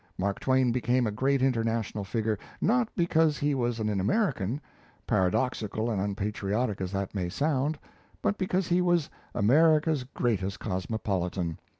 Mark Twain became a great international figure, not because he was an American, paradoxical and unpatriotic as that may sound, but because he was America's greatest cosmopolitan.